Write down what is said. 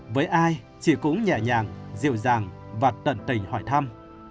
với ai chỉ cũng nhẹ nhàng dịu dàng và tận tình hỏi thăm